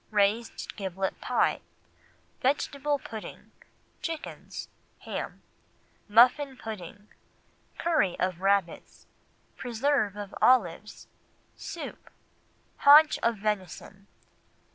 Raised Giblet Pie. Vegetable Pudding. Chickens. Ham. Muffin Pudding. Curry of Rabbits. Preserve of Olives. Soup. Haunch of Venison.